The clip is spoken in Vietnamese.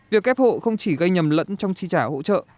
việc kép hộ không chỉ gây nhầm lẫn trong trí trả hộ trí